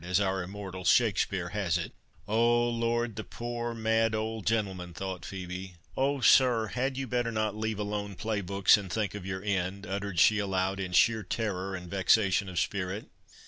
as our immortal Shakspeare has it." "Oh, Lord, the poor mad old gentleman," thought Phœbe—"Oh, sir, had you not better leave alone playbooks, and think of your end?" uttered she aloud, in sheer terror and vexation of spirit.